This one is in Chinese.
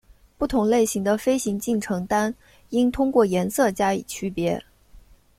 不同类型的飞行进程单应通过颜色加以区别。